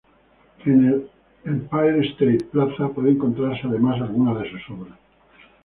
En el Empire State Plaza pueden encontrarse además algunas de sus obras.